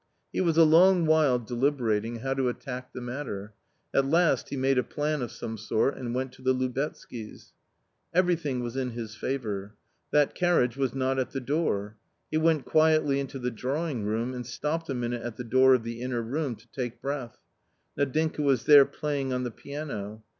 He was a long while deliberating how to attack the matter ; at last he made a plan of some sort and went to the Lubetzkys. Everything was in his favour. That carriage was not at the door. He went quietly into the drawing room and stopped a minute at the door of the inner room to take breath. Nadinka was there playing on the piano.